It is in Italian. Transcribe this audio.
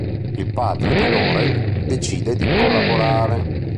Il padre di Laurel decide di collaborare.